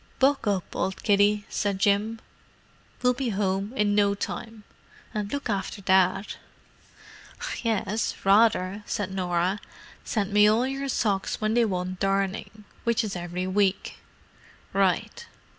"Buck up, old kiddie," said Jim. "We'll be home in no time. And look after Dad." "Yes—rather!" said Norah. "Send me all your socks when they want darning—which is every week." "Right."